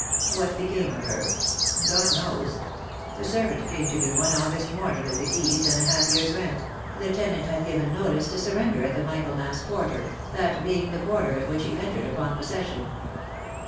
What became of her? God knows. A servant came to me one August morning with the keys and a half year's rent — the tenant had given notice to surrender at the Michaelmas quarter, that being the quarter at which he entered upon possession.